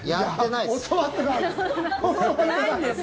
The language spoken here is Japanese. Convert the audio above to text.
教わってないです。